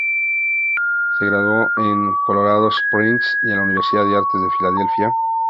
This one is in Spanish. Se graduó en Colorado Springs y en la Universidad de artes en Filadelfia.